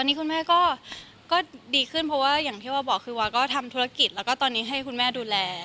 นี่คุณแม่ก็ดีขึ้นเพราะว่าอย่างที่วาบอกคือวาก็ทำธุรกิจแล้วก็ตอนนี้ให้คุณแม่ดูแล